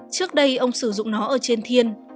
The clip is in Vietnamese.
trước đây ông sử dụng nó ở trên thiên